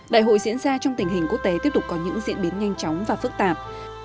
đại hội diễn ra trong tình hình quốc tế tiếp tục có những diễn biến nhanh chóng và phức tạp